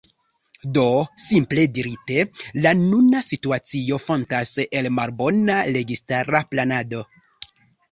Do, simple dirite, la nuna situacio fontas el malbona registara planado.